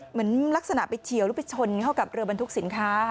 เหมือนลักษณะไปเฉียวหรือไปชนเข้ากับเรือบรรทุกสินค้า